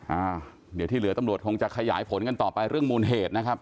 อ่าเดี๋ยวที่เหลือตำรวจคงจะขยายผลกันต่อไปเรื่องมูลเหตุนะครับ